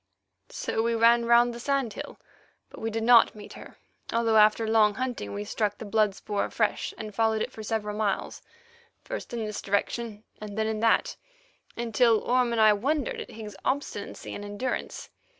So we ran round the sand hill, but we did not meet her, although after long hunting we struck the blood spoor afresh, and followed it for several miles, first in this direction, and then in that, until Orme and I wondered at Higgs's obstinacy and endurance.